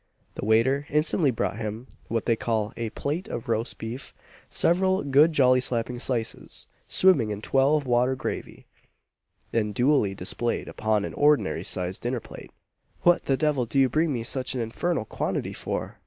The waiter instantly brought him what they call "a plate" of roast beef several good jolly slapping slices, swimming in twelve water gravy, and duly displayed upon an ordinary sized dinner plate. "What the devil do you bring me such an infernal quantity for?"